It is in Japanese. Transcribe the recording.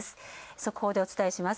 速報でお伝えします。